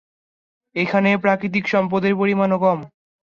এখানে প্রাকৃতিক সম্পদের পরিমাণও কম।